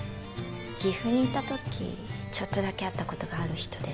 岐阜にいた時ちょっとだけ会ったことがある人です